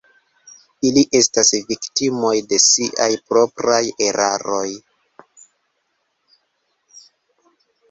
Ili estas viktimoj de siaj propraj eraroj.